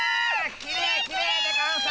きれいきれいでゴンス！